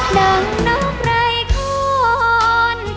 ดังน้ำไร้คอน